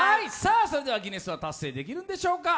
それではギネスは達成できるんでしょうか。